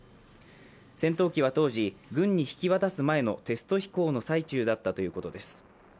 戦闘機は当時、軍に引き渡す前のテスト飛行の最中だったということです。